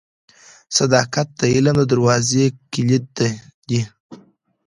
• صداقت د علم د دروازې کلید دی.